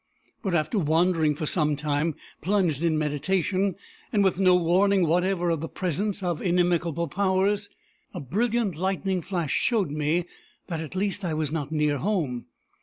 But after wandering for some time, plunged in meditation, and with no warning whatever of the presence of inimical powers, a brilliant lightning flash showed me that at least I was not near home.